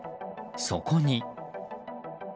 そこに。